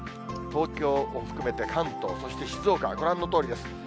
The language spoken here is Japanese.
東京を含めて関東、そして静岡、ご覧のとおりです。